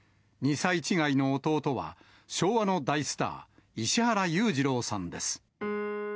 ２歳違いの弟は、昭和の大スター、石原裕次郎さんです。